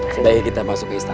sebaiknya kita masuk ke istana